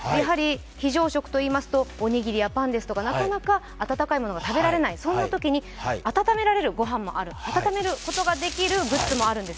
非常食といいますとおにぎりやパンですとかなかなか温かいものが食べられない、そんなときに温めることができるグッズもあるんです。